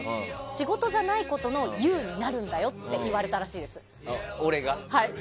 仕事じゃないことの有になるんだよって言われたらしいんです。